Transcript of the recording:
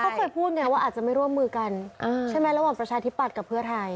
เขาเคยพูดไงว่าอาจจะไม่ร่วมมือกันใช่ไหมระหว่างประชาธิปัตย์กับเพื่อไทย